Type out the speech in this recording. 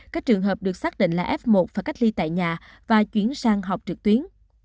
các trường hợp được xác định là f một phải cách ly tại nhà và chuyển sang họp trực tuyến